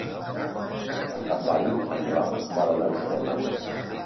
Per Cap d'Any en Roc vol anar al cinema.